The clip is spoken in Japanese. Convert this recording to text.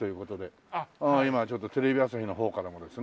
今ちょっとテレビ朝日の方からもですね